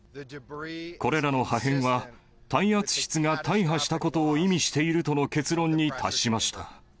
これらの破片は、耐圧室が大破したことを意味しているとの結論に達しました。